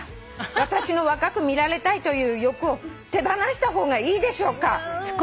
「私の若く見られたいという欲を手放した方がいいでしょうか？」